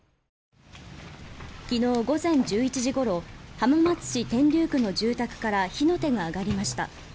昨日午前１１時ごろ浜松市天竜区の住宅から火の手が上がりました。